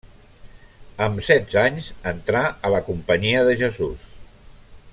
Amb setze anys entrà a la Companyia de Jesús.